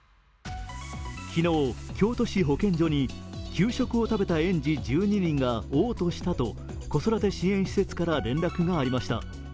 給食を食べた園児１２人がおう吐したと子育て支援施設から連絡がありました。